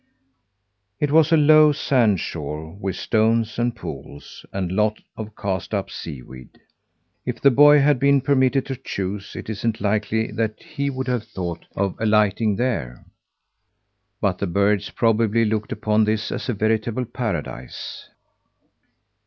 It was a low sand shore with stones and pools, and a lot of cast up sea weed. If the boy had been permitted to choose, it isn't likely that he would have thought of alighting there; but the birds probably looked upon this as a veritable paradise.